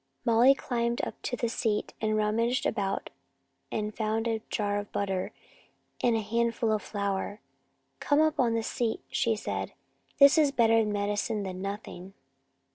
Molly climbed up to the seat, and rummaging about found a jar of butter, a handful of flour. "Come up on the seat," said she. "This is better medicine than nothing."